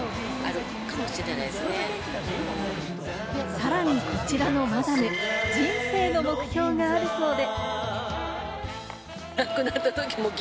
さらにこちらのマダム、人生の目標があるそうで。